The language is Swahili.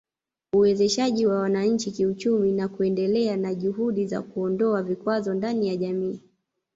Uwezeshaji wa wananchi kiuchumi na kuendelea na juhudi za kuondoa vikwazo ndani ya jamii